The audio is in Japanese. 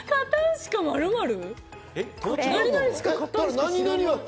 何？